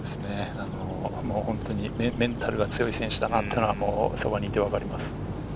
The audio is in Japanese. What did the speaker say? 本当にメンタルが強い選手だなと、そばにいて分かります。